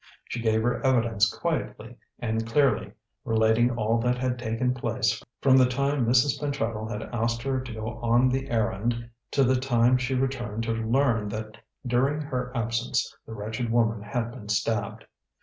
She gave her evidence quietly and clearly, relating all that had taken place from the time Mrs. Pentreddle had asked her to go on the errand to the time she returned to learn that during her absence the wretched woman had been stabbed.